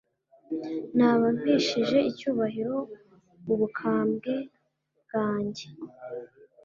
naba mpesheje icyubahiro ubukambwe bwanjye